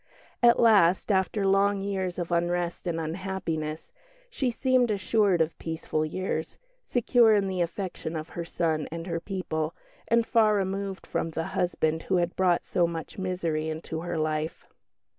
At last, after long years of unrest and unhappiness, she seemed assured of peaceful years, secure in the affection of her son and her people, and far removed from the husband who had brought so much misery into her life.